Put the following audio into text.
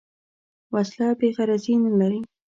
وسله بېغرضي نه لري